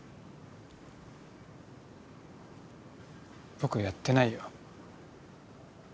僕やってないよ。